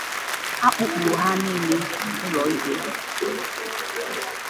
a kpụpụ ha niile ụlọikpe